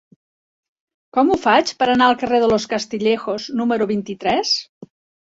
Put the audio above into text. Com ho faig per anar al carrer de Los Castillejos número vint-i-tres?